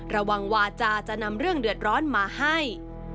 ระวังวาจาจะนำเรื่องเดือดร้อนมาให้